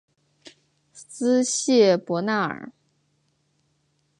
斯谢伯纳尔。